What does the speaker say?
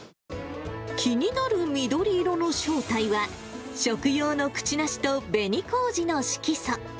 気になる緑色の正体は、食用のクチナシと紅こうじの色素。